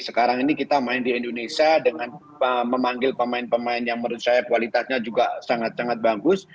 sekarang ini kita main di indonesia dengan memanggil pemain pemain yang menurut saya kualitasnya juga sangat sangat bagus